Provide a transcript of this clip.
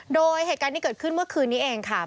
โดยเหตุการณ์ที่เกิดขึ้นเมื่อคืนนี้เองค่ะ